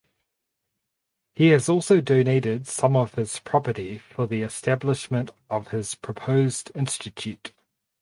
He also donated some of his property for the establishment of his proposed Institute.